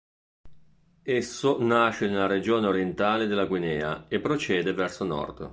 Esso nasce nella regione orientale della Guinea e procede verso nord.